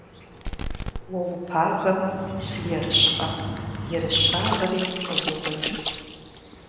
Уэ упагэмэ, сыерыщкъэ, ерыщагъри къызобэкӀ.